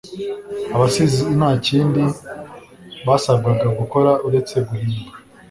abasizi nta kindi basabwaga gukora uretse guhimba